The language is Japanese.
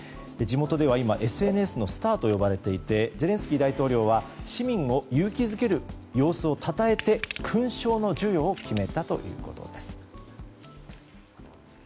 地元では今、ＳＮＳのスターと呼ばれていてゼレンスキー大統領は市民を勇気づける様子をたたえて勲章の授与を決めたということです。